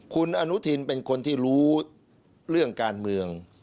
คุณอนุทินเป็นคนที่รู้เรื่องการเมือง